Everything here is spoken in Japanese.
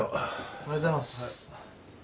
おはようございます。